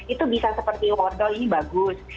itu bisa seperti wordo ini bagus